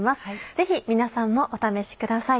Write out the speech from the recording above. ぜひ皆さんもお試しください。